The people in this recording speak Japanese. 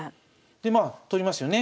まあ取りますよね。